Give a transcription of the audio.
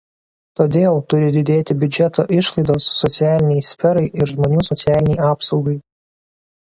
Todėl turi didėti biudžeto išlaidos socialinei sferai ir žmonių socialinei apsaugai.